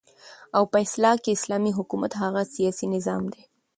او په اصطلاح كې اسلامي حكومت هغه سياسي نظام دى